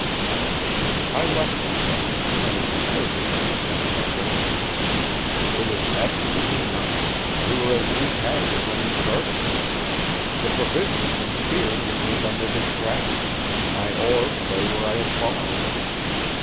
I left them then, turning to survey the extent of our damage. There was absolutely none; we were as intact as when we started. The provisions and spears remained under their straps; my oar lay where I had fallen on it.